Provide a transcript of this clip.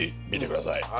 見てください。